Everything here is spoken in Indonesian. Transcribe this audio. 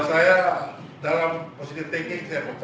saya dalam posisi thinking saya percaya